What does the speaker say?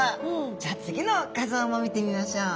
じゃあ次の画像も見てみましょう。